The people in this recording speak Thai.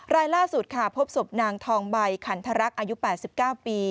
รายล่าสุดค่ะพบศพนางทองใบขันทรรักอายุ๘๙ปี